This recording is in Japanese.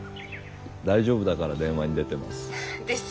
大丈夫だから電話に出てます。ですよね。